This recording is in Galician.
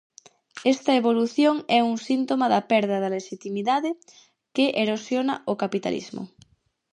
Esta evolución é un síntoma da perda de lexitimidade que erosiona o capitalismo.